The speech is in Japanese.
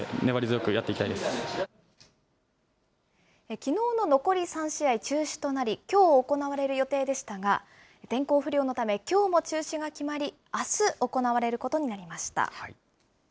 きのうの残り３試合、中止となり、きょう行われる予定でしたが、天候不良のため、きょうも中止が決まり、あす行われることになりました。